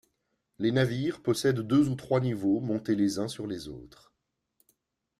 Les navires possèdent deux ou trois niveaux montés les uns sur les autres.